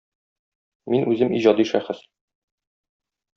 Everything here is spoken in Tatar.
Мин үзем иҗади шәхес.